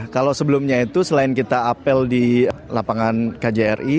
kalau sebelumnya itu selain kita apel di lapangan kjri